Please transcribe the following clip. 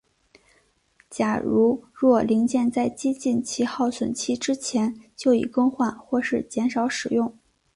例如若零件在接近其损耗期之前就已更换或是减少使用。